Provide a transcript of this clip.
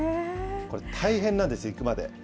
これ大変なんです、行くまで。